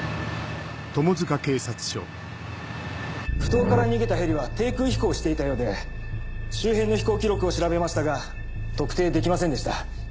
埠頭から逃げたヘリは低空飛行していたようで周辺の飛行記録を調べましたが特定できませんでした。